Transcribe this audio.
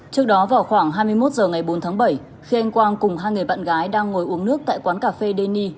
trước đó vào khoảng hai mươi một h ngày bốn tháng bảy khi anh quang cùng hai người bạn gái đang ngồi uống nước tại quán cà phê deni